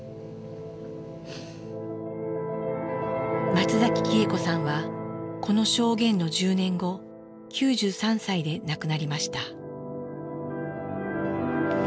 松崎喜恵子さんはこの証言の１０年後９３歳で亡くなりました。